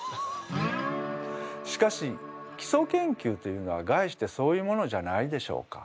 しかしきそ研究というのはがいしてそういうものじゃないでしょうか。